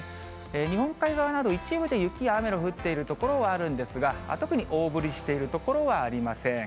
日本海側など一部で雪や雨の降っている所はあるんですが、特に大降りしている所はありません。